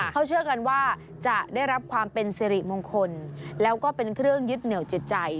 เขาเชื่อกันว่าจะได้รับความเป็นสิริมงคลแล้วก็เป็นเครื่องยึดเหนียวจิตใจ